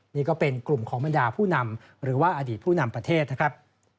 นี่ก็เป็นกลุ่มของบรรดาผู้นำหรือว่าอดีตผู้นำประเทศนะครับ